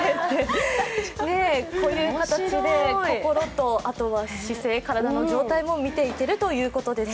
こういう形で心と姿勢、体の状態も見ていけるということです。